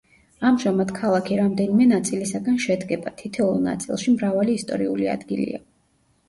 ამჟამად ქალაქი რამდენიმე ნაწილისაგან შედგება, თითოეულ ნაწილში მრავალი ისტორიული ადგილა.